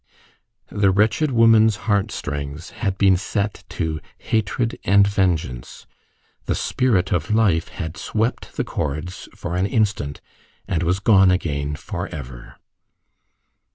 The wretched woman's heart strings had been set to hatred and vengeance; the spirit of life had swept the chords for an instant, and was gone again for ever.